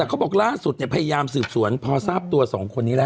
แต่เขาบอกล่าสุดเนี่ยพยายามสืบสวนพอสาภัยสิ่งตัวสองคนนี้และ